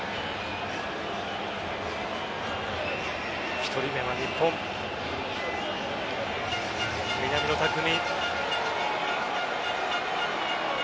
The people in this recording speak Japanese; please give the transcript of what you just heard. １人目は日本南野拓実。